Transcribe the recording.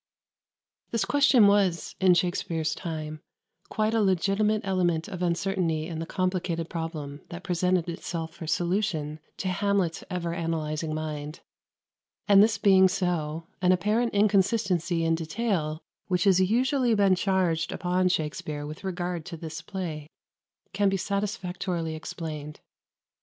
[Footnote 1: I. v. 92.] [Footnote 2: II. ii. 627.] [Footnote 3: III. ii. 87.] 59. This question was, in Shakspere's time, quite a legitimate element of uncertainty in the complicated problem that presented itself for solution to Hamlet's ever analyzing mind; and this being so, an apparent inconsistency in detail which has usually been charged upon Shakspere with regard to this play, can be satisfactorily explained.